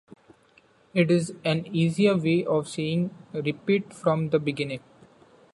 It is an easier way of saying repeat from the beginning.